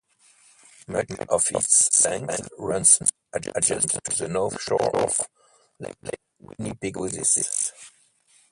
Much of its length runs adjacent to the north shore of Lake Winnipegosis.